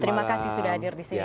terima kasih sudah hadir di sini